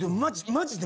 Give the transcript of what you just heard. マジで？